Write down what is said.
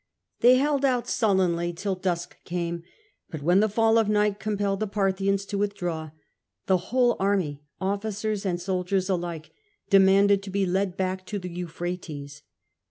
They held out sullenly :2O0 CRASSITS till dusk came, but when the fall of night compelled the Parthians to withdraw, the whole army, officers and soldiers alike, demanded to be led back to the Euphrates.